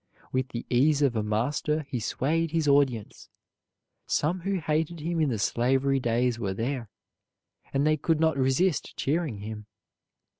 With the ease of a master he swayed his audience. Some who hated him in the slavery days were there, and they could not resist cheering him.